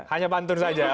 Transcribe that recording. hanya pantun saja